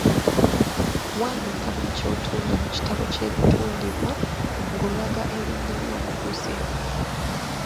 Wandiika buli ky’otunda mu kitabo ky’ebitundibwa ng’olaga erinnya ly’omuguzi.